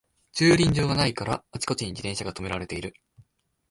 駐輪場がないからあちこちに自転車がとめられてる